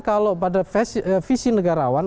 kalau pada visi negarawan